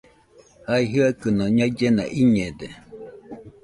Jae jɨaɨkɨno ñaɨllena iñede.